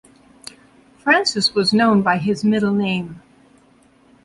Francis was known by his middle name.